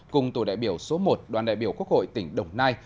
cùng tổ đại biểu số một đoàn đại biểu quốc hội tỉnh đồng nai